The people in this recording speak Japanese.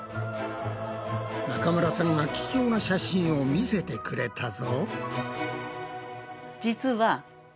中村さんが貴重な写真を見せてくれたぞ！